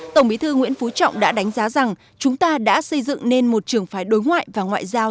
tổng bí thư nguyễn phú trọng đã đánh giá rằng chúng ta đã xây dựng nên một trường phái đối ngoại và ngoại giao